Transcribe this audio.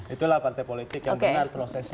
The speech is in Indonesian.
itulah partai politik yang benar prosesnya